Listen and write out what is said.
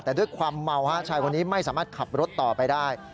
แต่ด้วยความเมาฮะชายคนนี้ไม่สามารถขับรถต่อไปได้